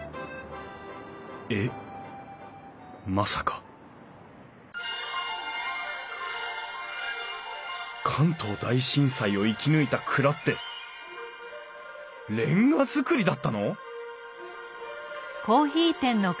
まさか関東大震災を生き抜いた蔵って煉瓦造りだったの！？